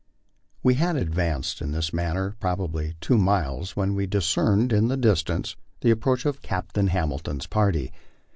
We had advanced in this manner probably two miles, when we discerned in the distance the approach of Captain Hamilton's party.